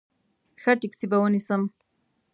ښه ټیکسي به ونیسم.